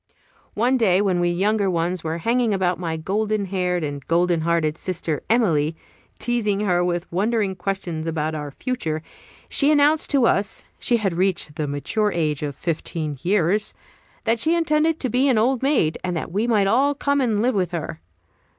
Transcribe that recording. One day, when we younger ones were hanging about my golden haired and golden hearted sister Emilie, teasing her with wondering questions about our future, she announced to us (she had reached the mature age of fifteen years) that she intended to be an old maid, and that we might all come and live with her.